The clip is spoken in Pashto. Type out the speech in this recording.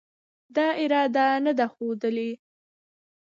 دا اراده نه ده ښودلې